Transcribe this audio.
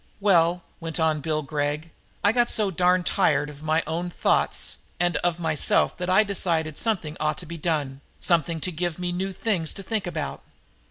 "Well," went on Bill Gregg, "I got so darned tired of my own thoughts and of myself that I decided something had ought to be done; something to give me new things to think about.